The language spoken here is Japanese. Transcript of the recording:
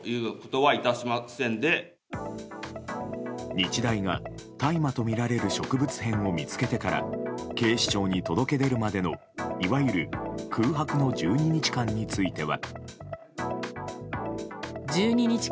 日大が大麻とみられる植物片を見つけてから警視庁に届け出るまでのいわゆる空白の１２日間については。